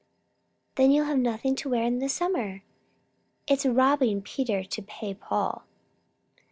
"Then you'll have nothing to wear in the summer! It's robbing Peter to pay Paul."